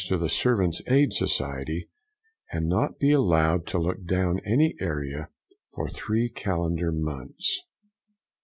to the Servants' Aid Society, and not be allowed to look down any area for three calender months.